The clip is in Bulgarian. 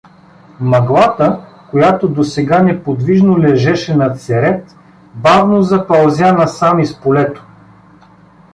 Мъглата, която досега неподвижно лежеше над Серет, бавно запълзя насам из полето.